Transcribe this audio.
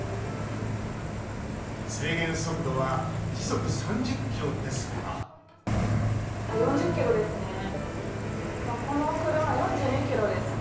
制限速度は時速３０キロですが４０キロですね。